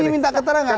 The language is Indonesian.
ini minta keterangan